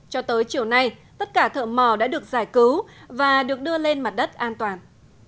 cho tới chiều nay tất cả thợ mò đã được giải cứu và được đưa lên mặt đất an toàn